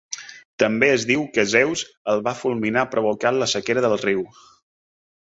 També es diu que Zeus el va fulminar provocant la sequera del riu.